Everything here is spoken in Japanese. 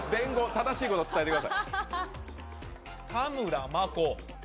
正しいことを伝えてください。